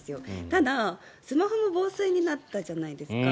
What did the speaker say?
ただ、スマホが防水になったじゃないですか。